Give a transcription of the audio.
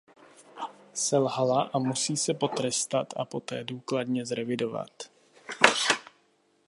Selhala a musí se potrestat a poté důkladně zrevidovat.